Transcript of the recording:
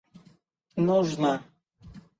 нужно